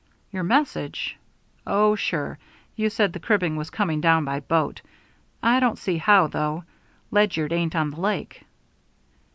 "Your message? Oh, sure. You said the cribbing was coming down by boat. I don't see how, though. Ledyard ain't on the lake."